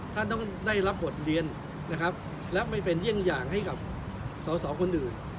ท่านต้องได้รับบทเรียนนะครับและไม่เป็นเยี่ยงอย่างให้กับสอสอคนอื่น